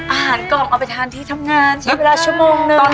กล่องเอาไปทานที่ทำงานใช้เวลาชั่วโมงนึง